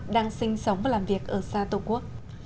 đang sinh sống và làm việc ở xa tổ quốc